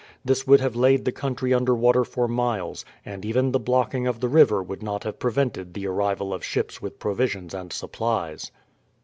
This would have laid the country under water for miles, and even the blocking of the river would not have prevented the arrival of ships with provisions and supplies.